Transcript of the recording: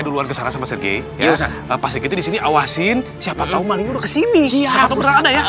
duluan kesana sama siti ya pasti kita di sini awasin siapa tahu maling kesini siapa tahu ada